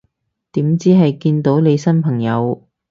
點知係見到你新朋友